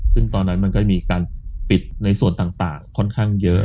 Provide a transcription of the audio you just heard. ซึ่งตอนนั้นมันก็มีการปิดในส่วนต่างค่อนข้างเยอะ